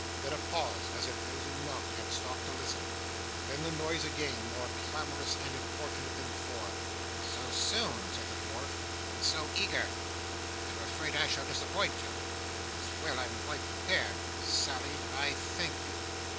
Then, a pause; as if those who knocked had stopped to listen. Then, the noise again, more clamorous and importunate than before. 'So soon!' said the dwarf. 'And so eager! I am afraid I shall disappoint you. It's well I'm quite prepared. Sally, I thank you!